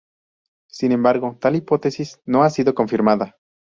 Sin embargo, tal hipótesis no ha sido confirmada.